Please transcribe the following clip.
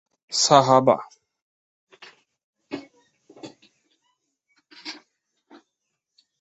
এর বহুবচন শব্দ "সাহাবা"।